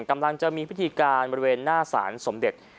กำลังจะมีพิธีการบริเวณหน้าศาลสมเด็จ